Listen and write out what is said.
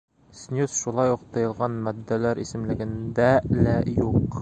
Снюс шулай уҡ тыйылған матдәләр исемлегендә лә юҡ.